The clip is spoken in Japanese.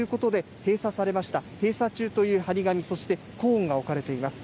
閉鎖中という貼り紙、そしてコーンが置かれています。